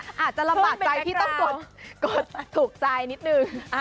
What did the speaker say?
อาจจะลำบากใจที่ต้องกดถูกใจนิดนึง